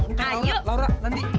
udah laura laura nanti